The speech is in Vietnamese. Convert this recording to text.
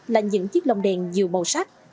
là những chiếc lồng đèn nhiều màu sắc